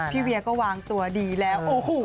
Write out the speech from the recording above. พี่เวียก็วางตัวดีแล้ว